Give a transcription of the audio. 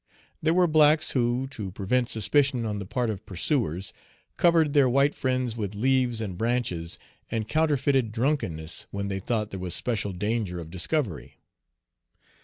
There were blacks who, to prevent suspicion on the part of pursuers, covered their white friends with leaves and branches, and counterfeited drunkenness when they thought there was special danger of discovery.